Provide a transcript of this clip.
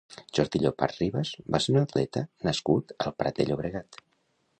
Jordi Llopart Ribas va ser un atleta nascut al Prat de Llobregat.